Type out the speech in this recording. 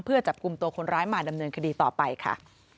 เพื่อจับกลุ่มตัวคนร้ายมาดำเนินคดีต่อไปค่ะ